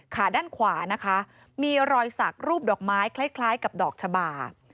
ขาด้านขวานะคะมีรอยสักรูปดอกไม้คล้ายกับดอกชะบา